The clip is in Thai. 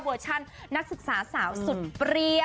เวอร์ชั่นนักศึกษาสาวสุดเปรี้ยว